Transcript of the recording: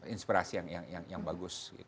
inspirasi yang bagus